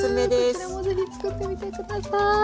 こちらも是非つくってみて下さい。